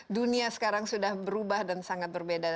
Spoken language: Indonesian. dunia sekarang sudah berubah dan sangat berbeda